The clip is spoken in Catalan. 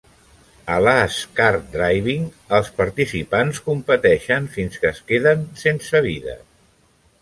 A Last Kart Driving els participants competeixen fins que es queden sense vides.